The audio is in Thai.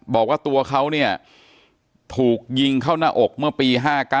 บอกว่าตัวเขาเนี่ยถูกยิงเข้าหน้าอกเมื่อปี๕๙